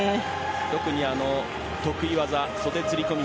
特に、得意技の袖釣り込み